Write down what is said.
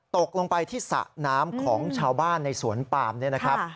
ตกลงไปที่สระน้ำของชาวบ้านในสวนปามเนี่ยนะครับ